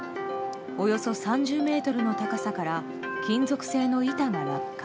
およそ３０ｍの高さから金属製の板が落下。